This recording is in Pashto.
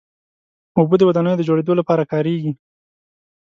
اوبه د ودانیو د جوړېدو لپاره کارېږي.